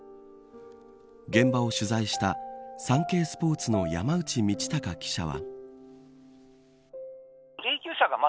現場を取材したサンケイスポーツの山内倫貴記者は。